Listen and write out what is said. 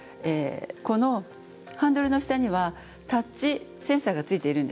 このハンドルの下にはタッチセンサーがついているんですね。